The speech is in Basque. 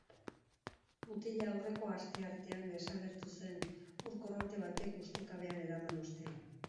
Mutila aurreko asteartean desagertu zen ur-korronte batek ustekabean eraman ostean.